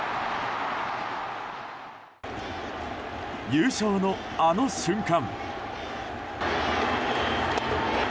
優勝のあの瞬間。